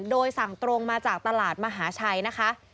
โดยสั่งตรงมาจากตลาดมหาชัยนะคะ